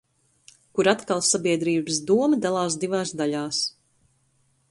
Kur atkal sabiedrības doma dalās divās daļās.